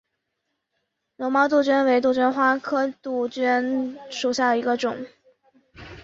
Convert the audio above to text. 绒毛杜鹃为杜鹃花科杜鹃属下的一个种。